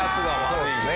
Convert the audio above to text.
そうですね。